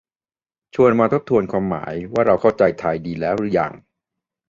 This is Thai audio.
ชวนมาทบทวนความหมายว่าเราเข้าใจไทยดีแล้วหรือยัง